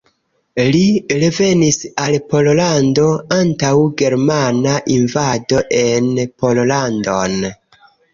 Li revenis al Pollando antaŭ germana invado en Pollandon.